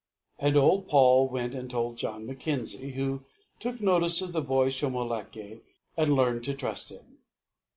And old Paul went and told John Mackenzie, who took notice of the boy Shomolekae and learned to trust him.